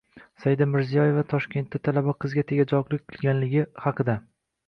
Saida Mirziyoyeva Toshkentda talaba qizga tegajog‘lik qilingani haqida